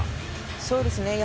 そうですね。